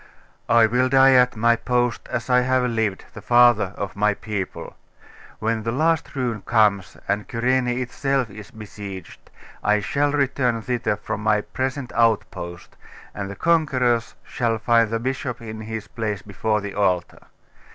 'I will die at my post as I have lived, the father of my people. When the last ruin comes, and Cyrene itself is besieged, I shall return thither from my present outpost, and the conquerors shall find the bishop in his place before the altar.